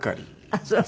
あっそう。